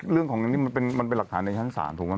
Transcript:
เรื่องของนี่มันเป็นหลักฐานในชั้นศาลถูกไหม